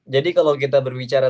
jadi kalau kita berbicara